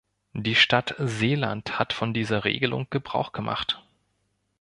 Die Stadt Seeland hat von dieser Regelung Gebrauch gemacht.